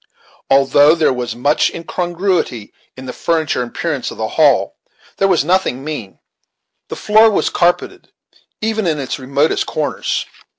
Although there was much incongruity in the furniture and appearance of the hall, there was nothing mean. The floor was carpeted, even in its remotest corners.